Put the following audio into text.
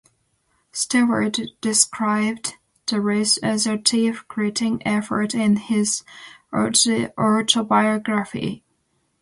Stewart described the race as a "teeth gritting effort" in his autobiography.